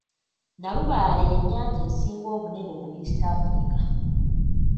Nalubaale ye nnyanja esinga obunene mu East Afirika.